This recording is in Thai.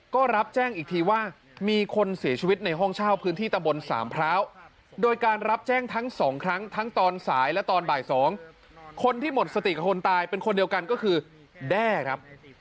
ก็รับแจ้งอีกทีว่า